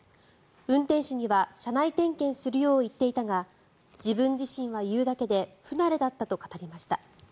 運転手には車内点検するよう言っていたが自分自身は言うだけで不慣れだったと語りました。